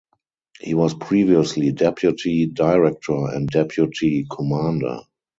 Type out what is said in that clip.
He was previously deputy director and deputy commander.